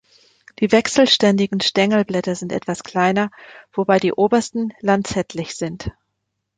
Die wechselständigen Stängelblätter sind etwas kleiner, wobei die obersten lanzettlich sind.